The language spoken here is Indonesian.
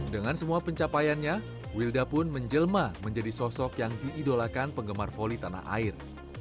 dengan semua pencapaiannya wilda pun menjelma menjadi sosok yang diidolakan penggemar voli tanah air